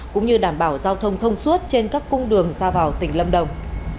cũng như đảm bảo giao thông thông suốt trên các cung đường ra vào tỉnh lâm đồng